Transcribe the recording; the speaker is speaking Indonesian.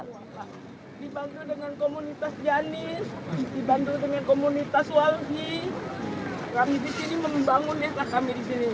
dibantu dengan komunitas janis dibantu dengan komunitas walhi kami di sini membangun desa kami di sini